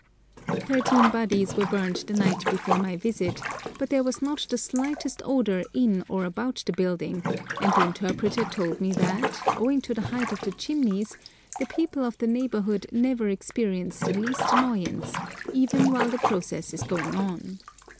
Thirteen bodies were burned the night before my visit, but there was not the slightest odour in or about the building, and the interpreter told me that, owing to the height of the chimneys, the people of the neighbourhood never experience the least annoyance, even while the process is going on.